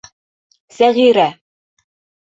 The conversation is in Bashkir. Сәғирә.